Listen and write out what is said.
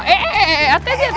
eh eh eh hati hati